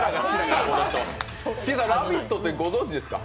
金さん、「ラヴィット！」ってご存じですか？